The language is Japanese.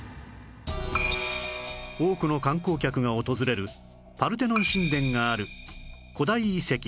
多くの観光客が訪れるパルテノン神殿がある古代遺跡アクロポリス